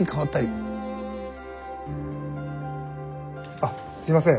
あっすいません